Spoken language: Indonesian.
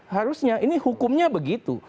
harusnya ini hukumnya begitu